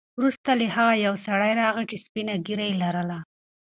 وروسته له هغه یو سړی راغی چې سپینه ږیره یې لرله.